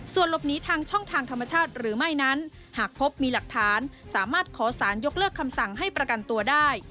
ส่วนหลบหนีทางช่องทางธรรมชาติหรือไม่นั้นหากพบมีหลักฐานสามารถขอสารยกเลิกคำสั่งให้ประกันตัวได้